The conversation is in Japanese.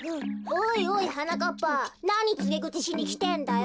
おいおいはなかっぱなにつげぐちしにきてんだよ。